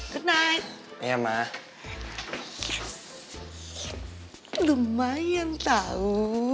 hai hai hai ya ma lumayan tahu